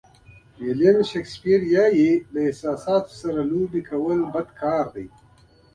ویلیام شکسپیر وایي له احساساتو سره لوبې کول بد دي.